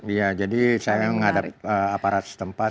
iya jadi saya menghadap aparat setempat